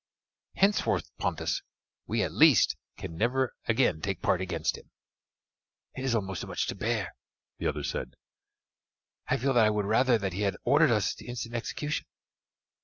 Henceforth, Pontus, we, at least, can never again take part against him." "It is almost too much to bear," the other said; "I feel that I would rather that he had ordered us to instant execution."